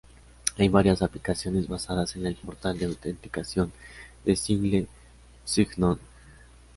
Hay varias aplicaciones basadas en el portal de autenticación de Single Sign-On.